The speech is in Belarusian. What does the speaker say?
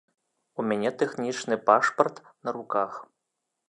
У мяне тэхнічны пашпарт на руках.